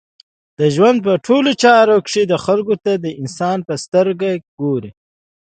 د ژوند په ټولو چارو کښي خلکو ته د انسان په سترګه ګورئ!